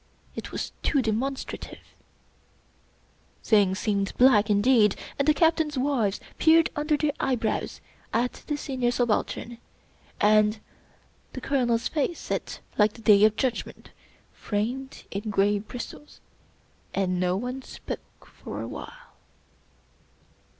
It was too demonstrative. Things seemed black indeed, and the Captains' wives peered under their eyebrows at the Senior Subaltern, and the Colonel's face set like the Day of Judgment framed in gray bristles, and no one spoke for a while.